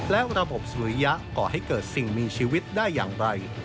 และระบบสุริยะก่อให้เกิดสิ่งมีชีวิตได้อย่างไร